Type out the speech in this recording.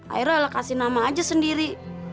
akhirnya allah kasih nama aja sendiri